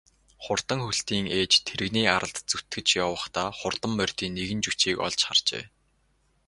Хурдан хөлтийн ээж тэрэгний аралд зүтгэж явахдаа хурдан морьдын нэгэн жүчээг олж харжээ.